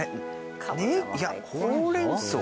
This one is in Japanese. いやほうれん草？